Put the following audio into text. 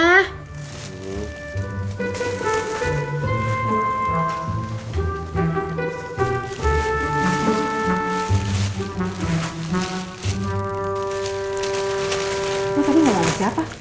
nah abang siapa